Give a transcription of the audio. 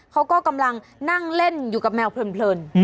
เขาก็กำลังนั่งเล่นอยู่กับแมวเพลิน